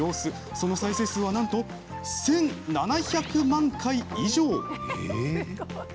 その再生数はなんと１７００万回以上！